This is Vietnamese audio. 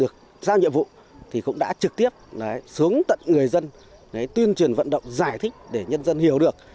ngoại vụ thì cũng đã trực tiếp xuống tận người dân tuyên truyền vận động giải thích để nhân dân hiểu được